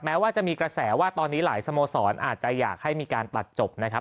แม้ว่าจะมีกระแสว่าตอนนี้หลายสโมสรอาจจะอยากให้มีการตัดจบนะครับ